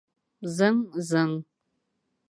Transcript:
Зың-зың!